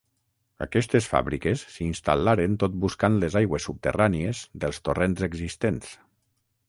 Aquestes fàbriques s'hi instal·laren tot buscant les aigües subterrànies dels torrents existents.